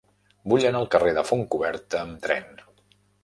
Vull anar al carrer de Fontcoberta amb tren.